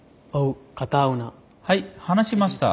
はい話しました。